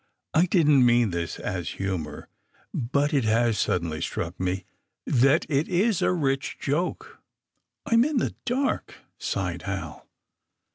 ''I didn't mean this as humor, but it has suddenly struck me that it is a rich joke." ''I'm in the dark," sighed Hal.